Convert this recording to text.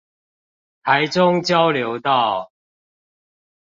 台中交流道